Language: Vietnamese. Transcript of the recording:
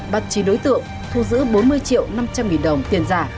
bắt chín đối tượng thu giữ bốn mươi triệu năm trăm linh nghìn đồng tiền giả